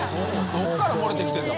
どこから漏れてきてるんだ？